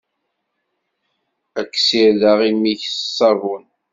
Ad k-ssirdeɣ imi-k s ṣavun!